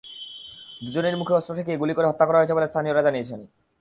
দুজনেরই মুখে অস্ত্র ঠেকিয়ে গুলি করে হত্যা করা হয়েছে বলে স্থানীয়রা জানিয়েছেন।